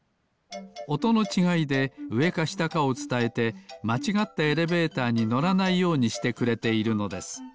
おとのちがいでうえかしたかをつたえてまちがったエレベーターにのらないようにしてくれているのです。